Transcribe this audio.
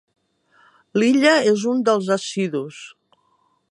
L'Illa és un dels assidus.